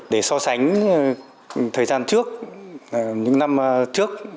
để so sánh thời gian trước những năm trước